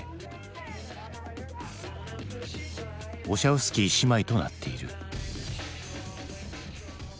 ウォシャウスキー姉妹となっている。